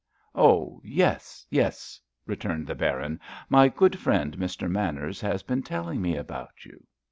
"Oh, yes, yes," returned the Baron. "My good friend, Mr. Manners, has been telling me about you."